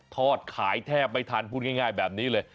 อดขายแทบไม่ทันพูดง่ายแบบนี้เลย